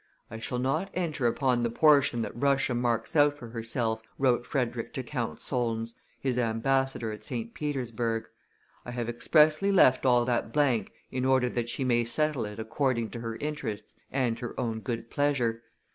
"I shall not enter upon the portion that Russia marks out for herself," wrote Frederick to Count Solms, his ambassador at St. Petersburg. "I have expressly left all that blank in order that she may settle it according to her interests and her own good pleasure.